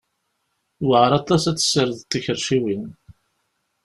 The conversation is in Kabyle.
Yewɛer aṭas ad tessirdeḍ tikerciwin.